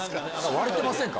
割れてませんか？